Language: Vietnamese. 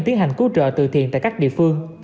tiến hành cứu trợ từ thiện tại các địa phương